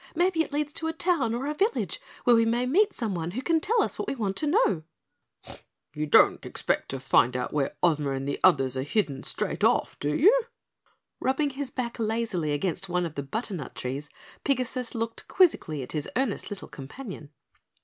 Maybe it leads to a town or village where we may meet someone who can tell us what we want to know." "You don't expect to find out where Ozma and the others are hidden straight off, do you?" Rubbing his back lazily against one of the butternut trees, Pigasus looked quizzically at his earnest little companion.